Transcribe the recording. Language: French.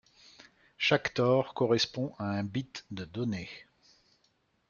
Chaque tore correspond à un bit de donnée.